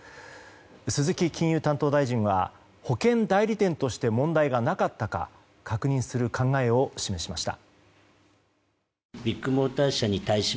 鈴木金融担当大臣は保険代理店として問題がなかったか確認する考えを示しました。